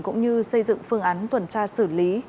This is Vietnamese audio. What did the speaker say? cũng như xây dựng phương án tuần tra xử lý